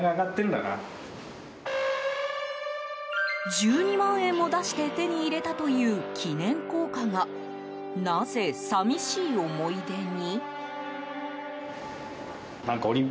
１２万円も出して手に入れたという記念硬貨がなぜ、寂しい思い出に？